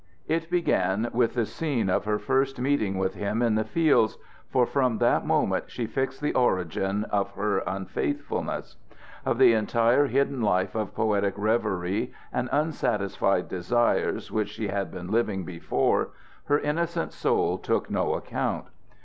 It began with the scene of her first meeting with him in the fields, for from that moment she fixed the origin of her unfaithfulness. Of the entire hidden life of poetic reverie and unsatisfied desires which she had been living before, her innocent soul took no account.